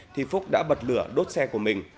thì phúc đã bật lửa đốt xe của mình